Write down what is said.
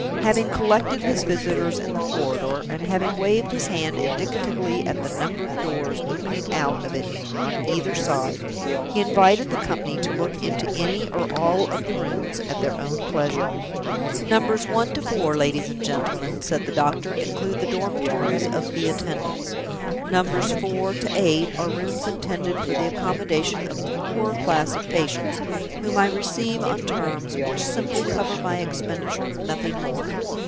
Having collected his visitors in the corridor, and having waved his hand indicatively at the numbered doors opening out of it on either side, he invited the company to look into any or all of the rooms at their own pleasure. "Numbers one to four, ladies and gentlemen," said the doctor, "include the dormitories of the attendants. Numbers four to eight are rooms intended for the accommodation of the poorer class of patients, whom I receive on terms which simply cover my expenditure nothing more.